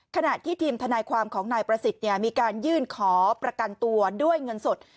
ขณะที่ทีมทนายความของนายประสิทธิ์มีการยื่นขอประกันตัวด้วยเงินสด